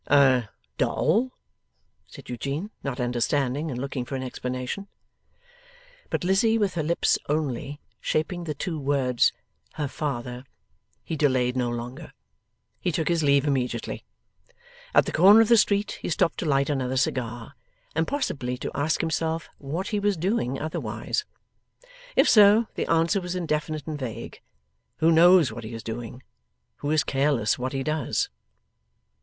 'A doll?' said Eugene, not understanding, and looking for an explanation. But Lizzie, with her lips only, shaping the two words, 'Her father,' he delayed no longer. He took his leave immediately. At the corner of the street he stopped to light another cigar, and possibly to ask himself what he was doing otherwise. If so, the answer was indefinite and vague. Who knows what he is doing, who is careless what he does!